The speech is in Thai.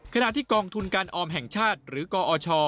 ขณะที่กองทุนการออมแห่งชาติหรือกอช